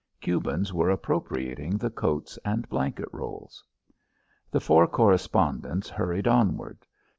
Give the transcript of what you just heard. Cubans were appropriating the coats and blanket rolls. The four correspondents hurried onward.